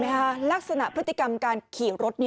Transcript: แล้วเห็นไหมค่ะลักษณะพฤติกรรมการขี่รถ